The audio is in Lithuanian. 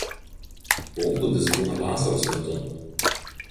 Poplūdis būna vasaros metu.